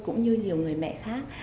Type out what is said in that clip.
cũng như nhiều người mẹ khác